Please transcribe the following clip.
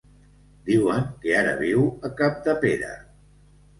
Diuen que ara viu a Capdepera.